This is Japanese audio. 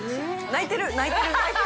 泣いてる！